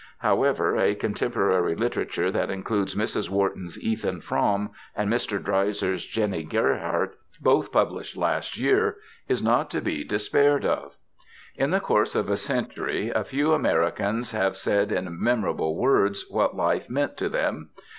However, a contemporary literature that includes Mrs. Wharton's "Ethan Frome" and Mr. Dreiser's "Jennie Gerhardt" both published last year, is not to be despaired of. In the course of a century a few Americans have said in memorable words what life meant to them.